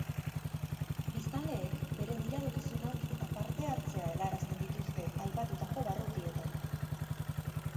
Biztanleek beren iradokizunak eta parte-hartzea helarazten dituzte aipatutako barrutietan.